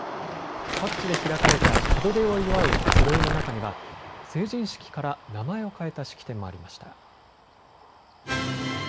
各地で開かれた門出を祝う集いの中には成人式から名前を変えた式典もありました。